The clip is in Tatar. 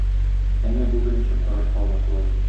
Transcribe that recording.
Әмма бу беренче карашка гына шулай.